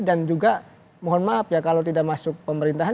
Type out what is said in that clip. dan juga mohon maaf ya kalau tidak masuk pemerintahan